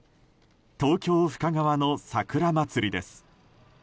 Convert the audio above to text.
東京・深川のさくらまつりです。